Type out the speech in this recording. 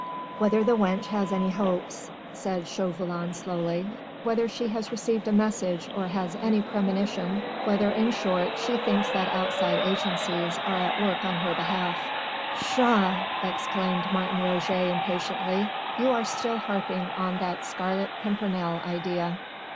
"Whether the wench has any hopes ..." said Chauvelin slowly, "whether she has received a message or has any premonition ... whether in short she thinks that outside agencies are at work on her behalf." "Tshaw!" exclaimed Martin Roget impatiently, "you are still harping on that Scarlet Pimpernel idea."